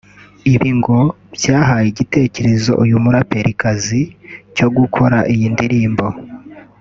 Ibi ngo byahaye igitekerezo uyu muraperikazi cyo gukora iyi ndirimbo